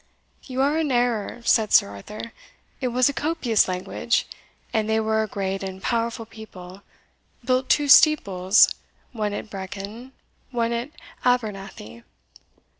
"You are in an error," said Sir Arthur; "it was a copious language, and they were a great and powerful people; built two steeples one at Brechin, one at Abernethy.